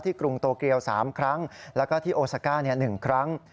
กรุงโตเกียว๓ครั้งแล้วก็ที่โอซาก้า๑ครั้ง